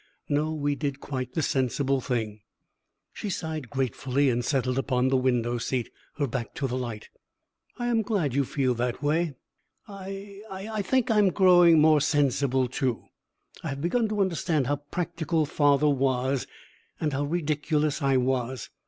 No; we did quite the sensible thing." She sighed gratefully and settled upon the window seat, her back to the light. "I am glad you feel that way. I I think I am growing more sensible too. I have begun to understand how practical father was, and how ridiculous I was.